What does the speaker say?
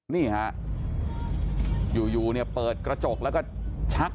นี่ฮะอยู่เนี่ยเปิดกระจกแล้วก็ชัก